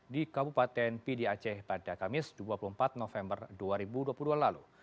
di kabupaten pdi aceh pada kamis dua puluh empat november dua ribu dua puluh dua lalu